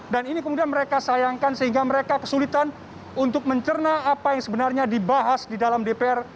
dan ini kemudian mereka sayangkan sehingga mereka kesulitan untuk mencerna apa yang sebenarnya dibahas di dalam dpr